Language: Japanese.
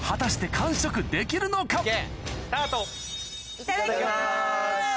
いただきます！